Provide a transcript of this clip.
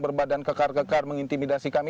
berbadan kekar kekar mengintimidasi kami